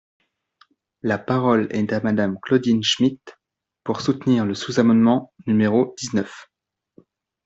La parole est à Madame Claudine Schmid, pour soutenir le sous-amendement numéro dix-neuf.